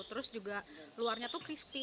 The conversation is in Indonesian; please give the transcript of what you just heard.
terus juga luarnya tuh crispy